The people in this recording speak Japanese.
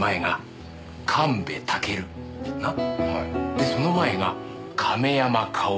でその前が亀山薫。